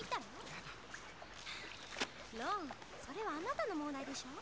やだロンそれはあなたの問題でしょ？